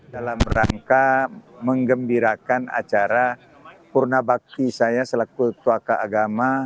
dalam rangka mengembirakan acara purna bakti saya selaku tuaka agama